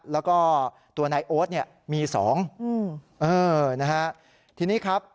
แล้วก็ตัวนายโอ๊ตเนี่ยมีสองอืมเออนะฮะทีนี้ครับ